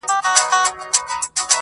هغه د شنې ویالې پر څنډه شنه ولاړه ونه!.